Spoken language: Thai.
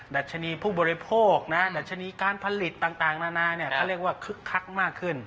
ดัชนีผู้บริโภคนะดัชนีการผลิตต่างนานาเขาเรียกว่าคึกคักมากขึ้น